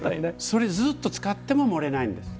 それずっと使っても漏れないんです。